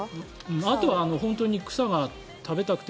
あとは本当に草が食べたくて。